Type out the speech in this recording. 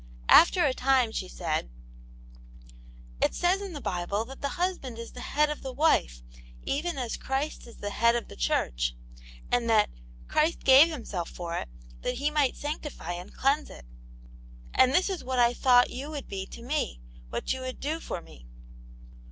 After a time she said : "It says in the Bible that *the husband is the head of the wife, even as Christ is the head of the Church ;* and that ' Christ gave Himself for it, that He might sanctify and cleanse it' And this is what I thought you would be to me ; what you would do for me."